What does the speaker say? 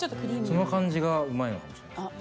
その感じがうまいのかもしれないです。